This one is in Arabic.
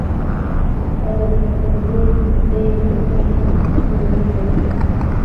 آداب التلميذ بين أسرته وفي منزله